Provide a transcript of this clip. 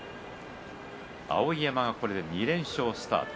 碧山はこれで２連勝スタート。